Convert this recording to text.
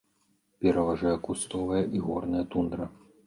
Пераважае кустовая і горная тундра.